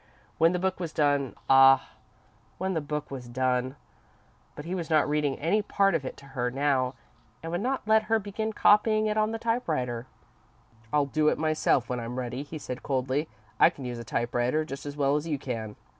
When the book was done ah, when the book was done! But he was not reading any part of it to her now and would not let her begin copying it on the typewriter. "I'll do it myself, when I'm ready," he said, coldly. "I can use a typewriter just as well as you can."